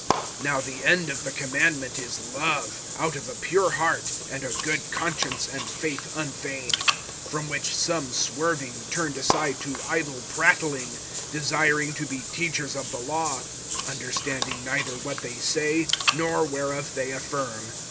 ] (5)Now the end of the commandment is love, out of a pure heart and a good conscience and faith unfeigned; (6)from which some swerving turned aside to idle prattling; (7)desiring to be teachers of the law, understanding neither what they say, nor whereof they affirm.